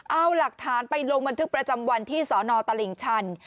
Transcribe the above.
เอาหลักฐานไปลงบันทึกประจำวันที่สนตลิ่งชัน